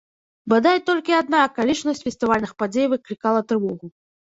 Бадай толькі адна акалічнасць фестывальных падзей выклікала трывогу.